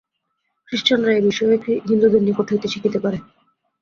খ্রীষ্টানরা এ-বিষয়ে হিন্দুদের নিকট হইতে শিখিতে পারে।